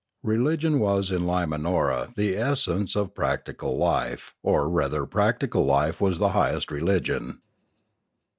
Religion was in Limanora the essence of practical life, or rather practical life was the highest religion.